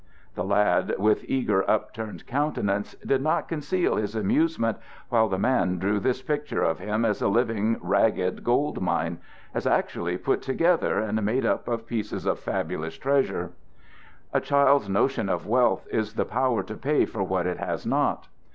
The lad with eager upturned countenance did not conceal his amusement while the man drew this picture of him as a living ragged gold mine, as actually put together and made up of pieces of fabulous treasure. A child's notion of wealth is the power to pay for what it has not.